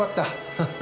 ハハハ。